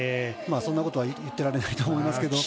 そんなことも言ってられないと思いますが。